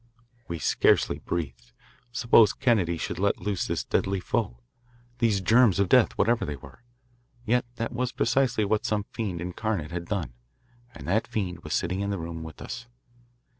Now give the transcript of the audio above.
We scarcely breathed. Suppose Kennedy should let loose this deadly foe, these germs of death, whatever they were? Yet that was precisely what some fiend incarnate had done, and that fiend was sitting in the room with us.